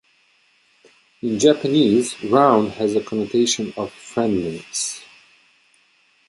In Japanese, round has a connotation of friendliness.